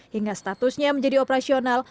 hingga statusnya menjadi operasional